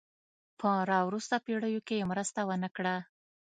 په را وروسته پېړیو کې یې مرسته ونه کړه.